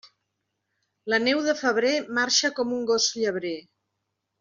La neu de febrer marxa com un gos llebrer.